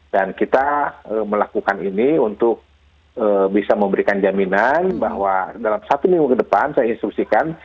dan kita melakukan ini untuk bisa memberikan jaminan bahwa dalam satu minggu ke depan saya instruksikan